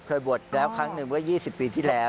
เคยบวชแล้วครั้งหนึ่งเมื่อ๒๐ปีที่แล้ว